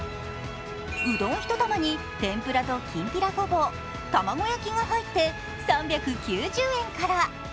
うどん１玉に天ぷらときんぴらごぼう、卵焼きが入って３９０円から。